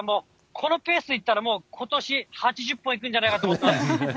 このペースでいったら、ことし８０本いくんじゃないかと思ってます。